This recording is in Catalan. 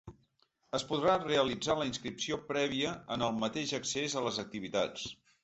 Es podrà realitzar la inscripció prèvia en el mateix accés a les activitats.